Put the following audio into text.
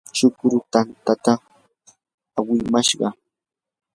chukru tantatam awnimashqa.